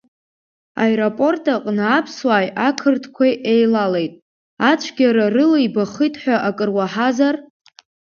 Аеропорт аҟны аԥсуааи ақырҭқәеи еилалеит, ацәгьара рылибахит ҳәа акыр уаҳазар?